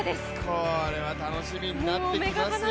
これは楽しみになってきますね。